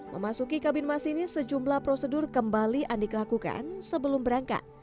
memasuki kabin mas ini sejumlah prosedur kembali yang dikelakukan sebelum berangkat